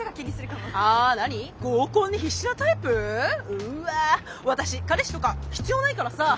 うわ私彼氏とか必要ないからさ